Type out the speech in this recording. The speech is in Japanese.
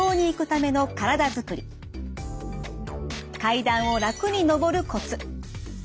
階段を楽に上るコツ。